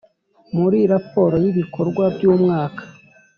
muri raporo y’ibikorwa by’umwaka